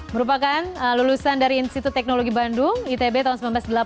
merupakan lulusan dari institut teknologi bandung itb tahun seribu sembilan ratus delapan puluh